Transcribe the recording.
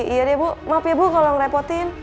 iya deh bu maaf ya bu kalau ngerepotin